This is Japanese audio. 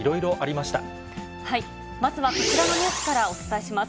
まずはこちらのニュースから、お伝えします。